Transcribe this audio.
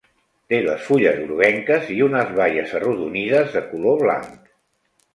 Té les fulles groguenques i unes baies arrodonides de color blanc.